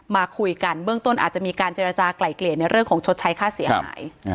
มาคุยกันเบื้องต้นอาจจะมีการเจรจากลายเกลี่ยในเรื่องของชดใช้ค่าเสียหาย